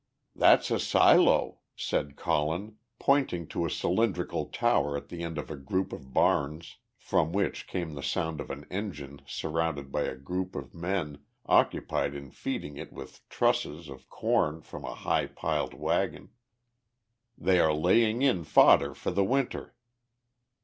"That's a silo," said Colin, pointing to a cylindrical tower at the end of a group of barns, from which came the sound of an engine surrounded by a group of men, occupied in feeding it with trusses of corn from a high piled wagon. "They are laying in fodder for the Winter."